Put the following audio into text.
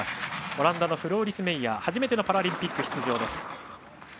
オランダのフローリス・メイヤー初めてのパラリンピック出場です。